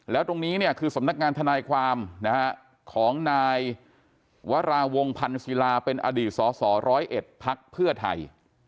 แล้วตรงนี้เนี่ยคือสำนักงานทนายความของนายวราวงภัณฑ์ศิลาเป็นอดีตสส๑๐๑พพไทย